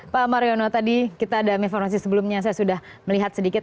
pak mariono tadi kita ada informasi sebelumnya saya sudah melihat sedikit